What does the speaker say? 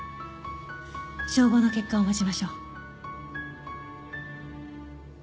照合の結果を待ちましょう。